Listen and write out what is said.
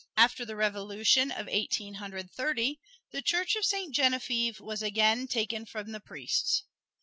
After the revolution of Eighteen Hundred Thirty, the church of Saint Genevieve was again taken from the priests.